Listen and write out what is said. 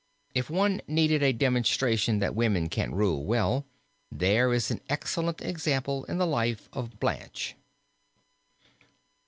If one needed a demonstration that women can rule well there is an excellent example in the life of Blanche.